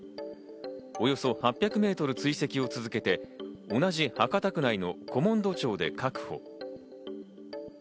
およそ８００メートル追跡を続けて同じ博多区内の古門戸町で確保。